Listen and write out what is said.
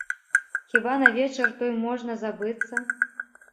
Хіба на вечар той можна забыцца?